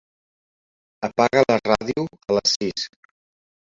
Apaga la ràdio a les sis.